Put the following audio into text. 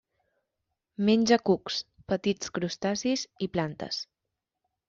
Menja cucs, petits crustacis i plantes.